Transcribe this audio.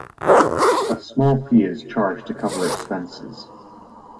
A small fee is charged to cover expenses.